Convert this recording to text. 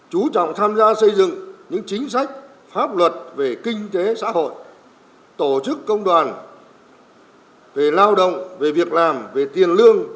học luật về kinh tế xã hội tổ chức công đoàn về lao động về việc làm về tiền lương